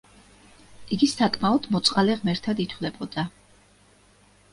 იგი საკმაოდ მოწყალე ღმერთად ითვლებოდა.